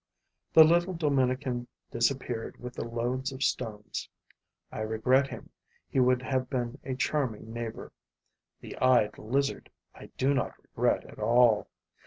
The little Dominican disappeared with the loads of stones. I regret him: he would have been a charming neighbor. The eyed lizard I do not regret at all.